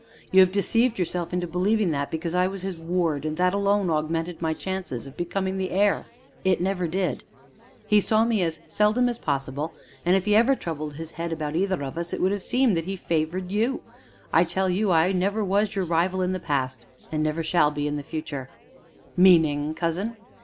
You have deceived yourself into believing that because I was his ward that alone augmented my chances of becoming the heir; it never did. He saw me as seldom as possible, and, if he ever troubled his head about either of us, it would seem that he favored you. I tell you I never was your rival in the past, and never shall be in the future." "Meaning, cousin?"